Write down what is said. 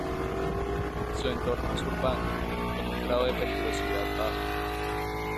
Su entorno es urbano, con un grado de peligrosidad bajo.